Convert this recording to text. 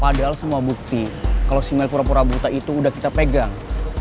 padahal sama bukti kalo si mel implicationnya itu udah kita pegang